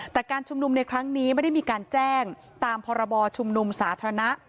แต่การชุมนุมในครั้งนี้ไม่ได้มีการแจ้งตามพรบชุมนุมสาธารณะ